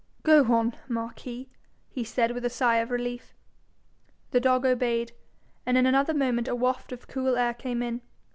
'Go on, Marquis,' he said, with a sigh of relief. The dog obeyed, and in another moment a waft of cool air came in.